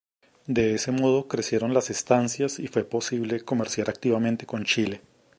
De ese modo crecieron las estancias y fue posible comerciar activamente con Chile.